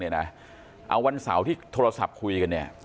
เอาวันเสาร์ที่โทรศัพท์คุยกันเนี่ย